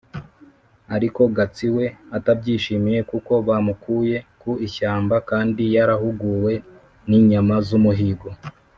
ariko Gatsi we atabyishimiye kuko bamukuye ku ishyamba kandi yarahuguwe n'inyama z'umuhigo.